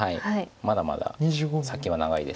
まだまだ先は長いですけど一旦。